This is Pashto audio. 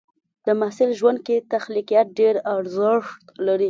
د محصل ژوند کې تخلیقيت ډېر ارزښت لري.